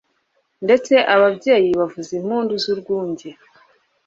ndetse ababyeyi bavuza impundu z'urwunge